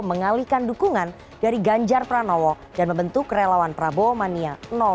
mengalihkan dukungan dari ganjar pranowo dan membentuk relawan prabowo mania